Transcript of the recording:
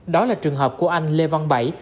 đó là trường hợp của anh lê văn bảy